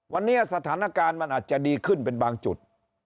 วันนี้สถานการณ์มันอาจจะดีขึ้นเป็นบางจุด